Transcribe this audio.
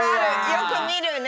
よくみるね。